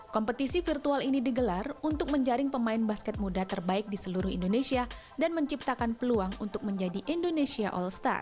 kompetisi virtual ini digelar untuk menjaring pemain basket muda terbaik di seluruh indonesia dan menciptakan peluang untuk menjadi indonesia all star